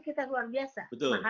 kita luar biasa